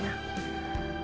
aku juga mikir gitu ma